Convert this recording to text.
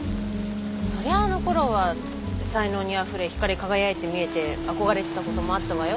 そりゃあのころは才能にあふれ光り輝いて見えて憧れてたこともあったわよ。